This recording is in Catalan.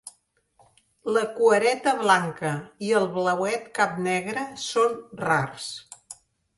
La cuereta blanca i el blauet capnegre són rars.